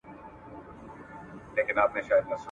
زخمي غیرت به مي طبیبه درمل څنګه مني ..